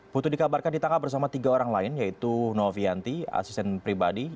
putu dikabarkan ditangkap bersama tiga orang lain yaitu novianti asisten pribadi